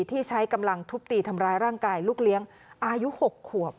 ที่ใช้กำลังทุบตีทำร้ายร่างกายลูกเลี้ยงอายุ๖ขวบ